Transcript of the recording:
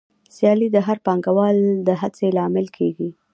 سیالي د هر پانګوال د هڅې لامل کېږي